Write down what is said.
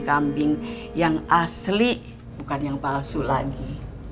kambing yang asli bukan yang palsu lagi